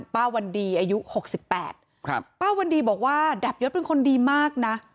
ป้าวันดีอายุหกสิบแปดครับป้าวันดีบอกว่าดาบยศเป็นคนดีมากนะ